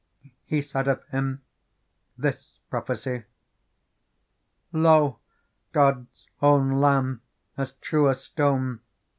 He said of Him this prophecy :' Lo ! God's own Lamb as true as stone.